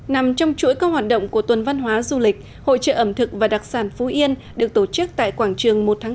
nằm trong chuỗi các hoạt động của tuần văn hóa du lịch hội trợ ẩm thực và đặc sản phú yên được tổ chức tại quảng trường một tháng bốn